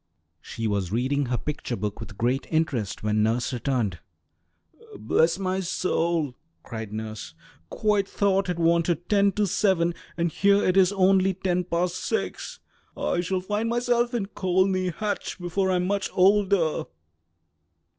She was reading her picture book with great interest when nurse returned. "Bless my soul!" cried nurse. "Quite thought it wanted ten to seven, and here it is only ten past six. I shall find myself in Colney Hatch before I'm much older."